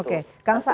oke kang sa'am